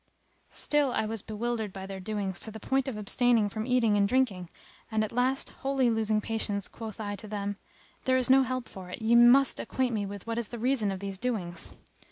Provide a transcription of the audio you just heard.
Still I was bewildered by their doings to the point of abstaining from eating and drinking and, at last wholly losing patience, quoth I to them, There is no help for it: ye must acquaint me with what is the reason of these doings."